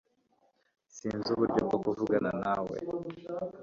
Sinzi uburyo bwo kuvugana nawe